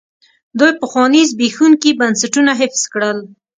دوی پخواني زبېښونکي بنسټونه حفظ کړل.